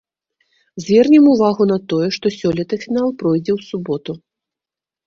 Звернем увагу на тое, што сёлета фінал пройдзе ў суботу.